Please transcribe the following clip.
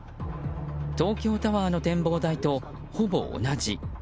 東京タワーの展望台とほぼ同じ。